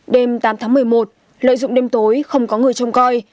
đêm tám tháng một mươi một lợi dụng đêm tối không có người trông coi